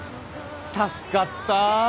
助かった！